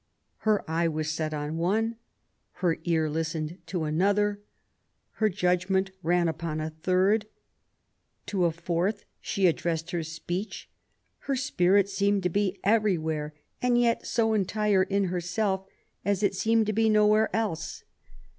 Her eye was set on one ; her ear listened to another ; her judgment ran upon a third ; to a fourth she addressed her speech ; her spirit seemed to be everywhere, and PROBLEMS OF THE REtGN. 47 yet so entire in herself, as it seemed to be nowhere else.